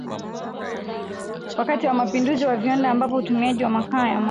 wakati wa mapinduzi ya viwanda ambapo utumiaji wa makaa ya mawe